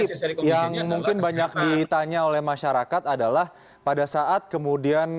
nah kiki yang mungkin banyak ditanya oleh masyarakat adalah pada saat kemudian bank indonesia